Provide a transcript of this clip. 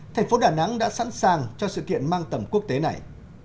thành phố đà nẵng đã sẵn sàng cho sự kiện mang tầm quốc tế này